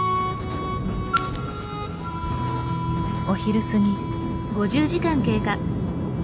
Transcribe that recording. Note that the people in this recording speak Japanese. お昼過ぎ。